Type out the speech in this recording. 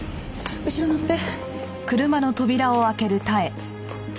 後ろ乗って。